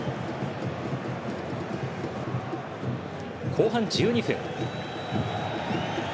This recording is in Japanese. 後半１２分。